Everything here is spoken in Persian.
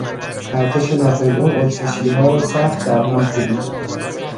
ارتش ناپلئون اتریشیها را سخت درهم کوبید.